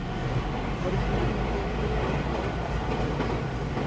Originalmente estuvo dedicado a san Lorenzo.